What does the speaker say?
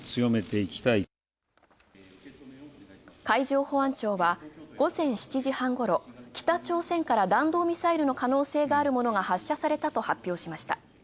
海上保安庁は午前７時半ごろ、北朝鮮から弾道ミサイルの可能性があるものが発射されたと発表。